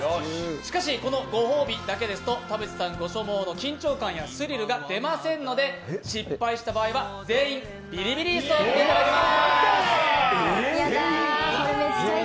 しかし、このご褒美だけですと田渕さんご所望の緊張感やスリルが出ませんので失敗した場合は小松ワタルですよろしくお願いします